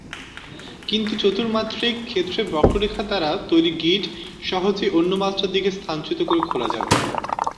কিন্তু চতুর্মাত্রিক ক্ষেত্রে বক্ররেখা দ্বারা তৈরি গিট সহজেই অন্য মাত্রার দিকে স্থানচ্যুত করে খোলা যাবে।